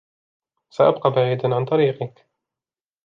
سأبقى بعيداً عن طريقك.